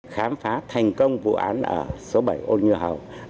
khám phá thành công vụ án ở số bảy ô như hầu